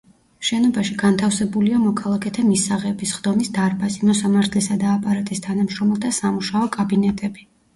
შენობაში განთავსებულია მოქალაქეთა მისაღები, სხდომის დარბაზი, მოსამართლისა და აპარატის თანამშრომელთა სამუშაო კაბინეტები.